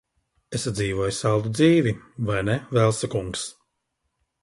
Esat dzīvojis saldu dzīvi, vai ne, Velsa kungs?